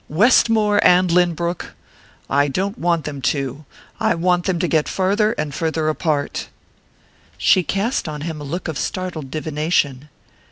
"Westmore and Lynbrook? I don't want them to I want them to get farther and farther apart!" She cast on him a look of startled divination.